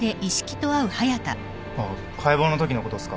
あっ解剖のときのことっすか？